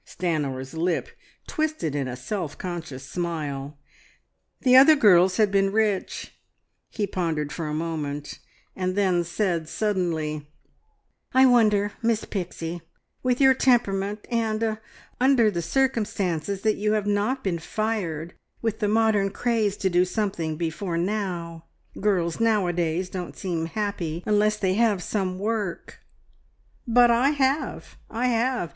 Stanor's lip twisted in a self conscious smile. The other girls had been rich. He pondered for a moment, and then said suddenly "I wonder, Miss Pixie, with your temperament, and er under the circumstances that you have not been fired with the modern craze to do something before now. Girls nowadays don't seem happy unless they have some work " "But I have, I have!